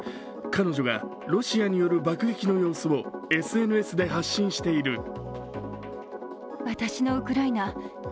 彼女がロシアによる爆撃の様子をＳＮＳで発信している。